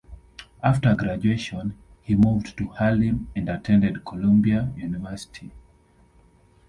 After graduation, he moved to Harlem and attended Columbia University.